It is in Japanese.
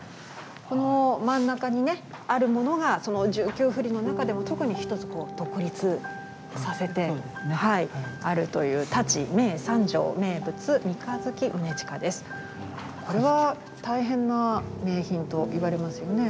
この真ん中にねあるものがその１９振りの中でも特に１つ独立させてあるというこれは大変な名品といわれますよね。